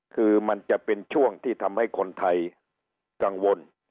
คือมันจะเป็นช่วงที่ทำให้คนไทยกังวล